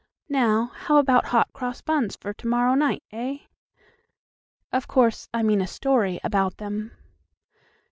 Now, how about Hot Cross Buns for to morrow night, eh? Oh, of course, I mean a story about them.